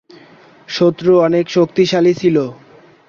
শত্রু অনেক শক্তিশালী ছিলো।